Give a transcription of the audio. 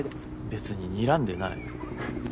別ににらんでない。